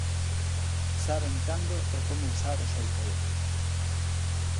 Saben cando e como usar o seu poder.